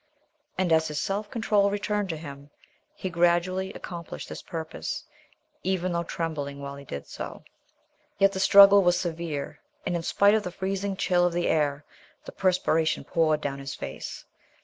And, as his self control returned to him, he gradually accomplished this purpose, even though trembling while he did so. Yet the struggle was severe, and in spite of the freezing chill of the air, the perspiration poured down his face.